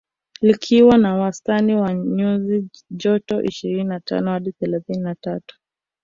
Likiwa na wastani wa nyuzi joto ishirini na tano hadi thelathini na tatu